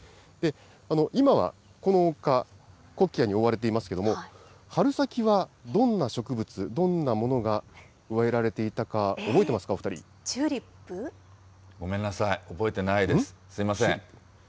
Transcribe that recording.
今はこの丘、コキアに覆われていますけれども、春先はどんな植物、どんなものが植えられていたか、チューリップ？ごめんなさい、覚えてないです。